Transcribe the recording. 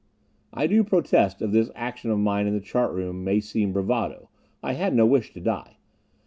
I do protest if this action of mine in the chart room may seem bravado. I had no wish to die.